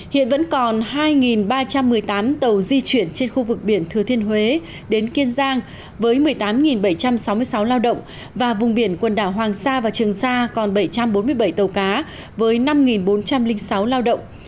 hiện vẫn còn hai ba trăm một mươi tám tàu di chuyển trên khu vực biển thừa thiên huế đến kiên giang với một mươi tám bảy trăm sáu mươi sáu lao động và vùng biển quần đảo hoàng sa và trường sa còn bảy trăm bốn mươi bảy tàu cá với năm bốn trăm linh sáu lao động